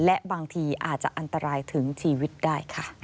และบางทีอาจจะอันตรายถึงชีวิตได้ค่ะ